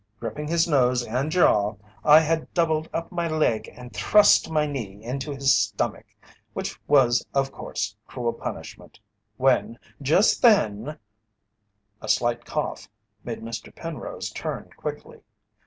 Gripping his nose and jaw, I had doubled up my leg and thrust my knee into his stomach, which was of course cruel punishment when, just then " A slight cough made Mr. Penrose turn quickly.